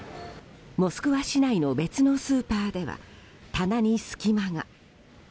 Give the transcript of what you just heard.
モスクワ市内の別のスーパーでは棚に隙間が。